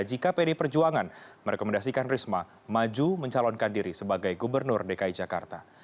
jika pdi perjuangan merekomendasikan risma maju mencalonkan diri sebagai gubernur dki jakarta